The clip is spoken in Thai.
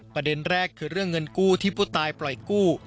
ประเด็นแรกคือเรื่องเงินกู้ที่ผู้ตายปล่อยกู้